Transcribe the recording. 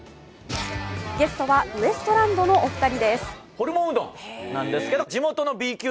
ゲストはウエストランドのお二人です。